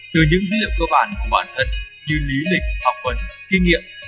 từ những dữ liệu cơ bản của bản thân như lý lịch học vấn kinh nghiệm